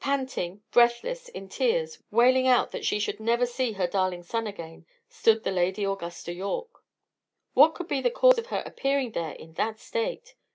Panting, breathless, in tears, wailing out that she should never see her darling son again, stood the Lady Augusta Yorke. What could be the cause of her appearing there in that state?